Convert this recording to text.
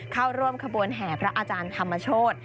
เข้าร่วมขบวนแห่พระอาจารย์ธรรมโชธ